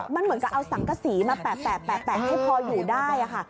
มันเหมือนกับเอาสังกษีมาแปะให้พออยู่ได้ค่ะ